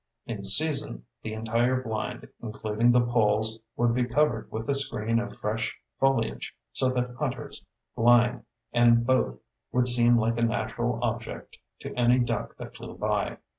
In season, the entire blind including the poles would be covered with a screen of fresh foliage, so that hunters, blind, and boat would seem like a natural object to any duck that flew by.